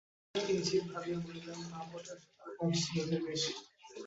খুড়াসাহেব কিঞ্চিৎ ভাবিয়া বলিলেন, তা বটে, সেকালে কাজ ছিল ঢের বেশি।